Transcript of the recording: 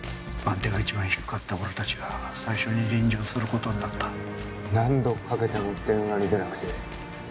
番手が一番低かった俺達が最初に臨場することになった何度かけても電話に出なくて